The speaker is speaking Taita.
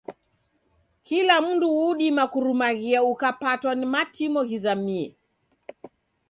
Kila mundu udima kurumaghia ukapatwa ni matimo ghizamie